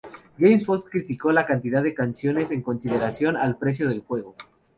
GameSpot criticó la cantidad de canciones en consideración al precio del juego.